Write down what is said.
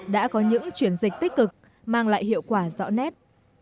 đã có những chuyển dịch tích cực mang lại hiệu quả rõ nét